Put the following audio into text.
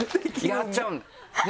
やっちゃう。